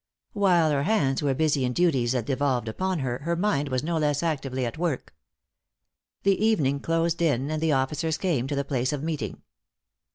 While her hands were busy in duties that devolved upon her, her mind was no less actively at work. The evening closed in, and the officers came to the place of meeting.